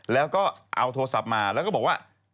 แล้วก็เอาโทรศัพท์มาแล้วก็บอกว่า